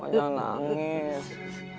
mak jangan nangis